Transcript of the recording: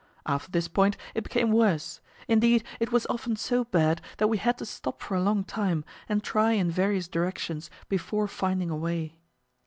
After this point it became worse; indeed, it was often so bad that we had to stop for a long time and try in various directions, before finding a way.